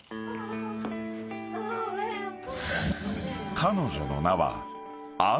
・［彼女の名は］